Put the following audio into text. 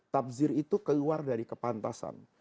tafsir itu keluar dari kepantasan